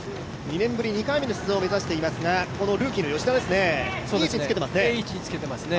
２年ぶり２回目の出場を目指していますが、このルーキーの吉田、いい位置につけていますね。